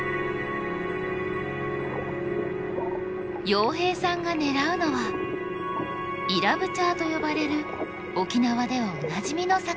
洋平さんが狙うのはイラブチャーと呼ばれる沖縄ではおなじみの魚。